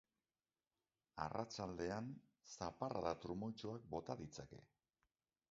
Arratsaldean, zaparrada trumoitsuak bota ditzake.